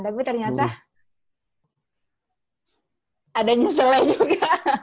tapi ternyata ada nyeselnya juga